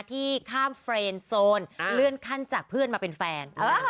ที่ข้ามเฟรนด์โซนเลื่อนขั้นจากเพื่อนมาเป็นแฟน